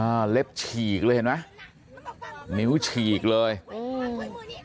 เล็บฉีกเลยเห็นไหมนิ้วฉีกเลยอืม